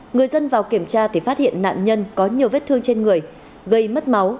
người dân vào kiểm tra thì phát hiện nạn nhân có nhiều vết thương trên người gây mất máu